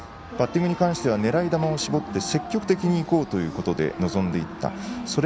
バッティングに関しては狙い球を絞って積極的にいこうということで臨んでいった。